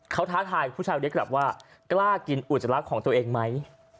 เขาท้าทายผู้ชายคนนี้กลับว่ากล้ากินอุจจาระของตัวเองไหม